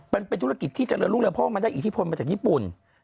มันเป็นธุรกิจที่เจริญรุ่งเรืองเพราะว่ามันได้อิทธิพลมาจากญี่ปุ่น